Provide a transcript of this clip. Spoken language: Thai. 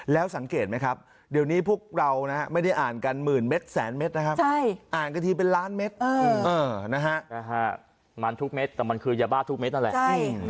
แล้วสังเกตไหมครับเดี๋ยวนี้พวกเราไม่ได้อ่านกันหมื่นเม็ดแสนเม็ดนะครับอ่านกันทีเป็นล้านเม็ดมันทุกเม็ดแต่มันคือยาบ้าทุกเม็ดนั่นแหละ